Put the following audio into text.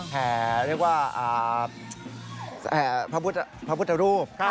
แถวพระพุทธรูป